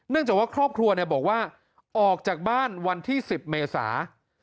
จากว่าครอบครัวบอกว่าออกจากบ้านวันที่๑๐เมษา